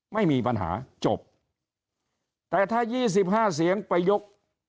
ไม่มีปัญหาจบแต่ถ้า๒๕เสียงไปยก